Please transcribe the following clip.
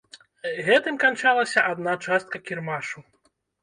Гэтым канчалася адна частка кірмашу.